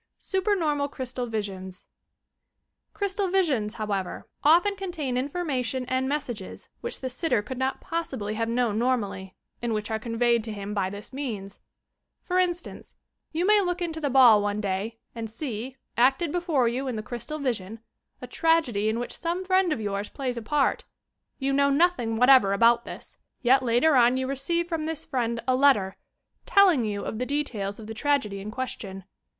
SDPERNOBMAL CRYSTAL VISIONS Crystal visions, however, often contain information and messages which the sitter could not possibly have CRYSTAL GAZING 151 known normally, and which are conveyed to him by this means. For instance, you may look into the ball one day and see, acled before you in the crystal vision, a tragedy in which some friend of yours plays a part, Tou know nothing whatever about this, yet later on you receive from this friend a letter, telling you of the de tails of the tragedy in question.